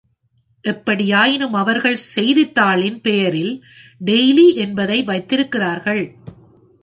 எப்படியாயினும் அவர்கள் செய்தித்தாளின் பெயரில் 'Daily' என்பதை வைத்திருக்கிறார்கள்.